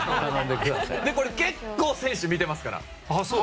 これ、結構選手は見てますから。